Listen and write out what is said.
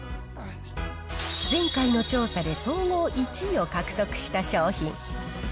前回の調査で総合１位を獲得した商品。